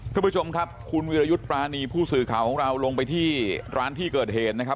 ทุกผู้ชมครับคุณวิรยุทธ์ปรานีผู้สื่อข่าวของเราลงไปที่ร้านที่เกิดเหตุนะครับ